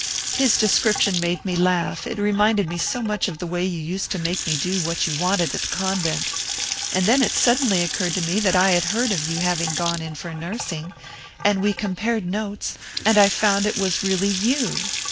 His description made me laugh, it reminded me so much of the way you used to make me do what you wanted at the convent and then it suddenly occurred to me that I had heard of you having gone in for nursing, and we compared notes, and I found it was really you!